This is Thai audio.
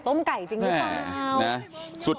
ตำรวจต้องไล่ตามกว่าจะรองรับเหตุได้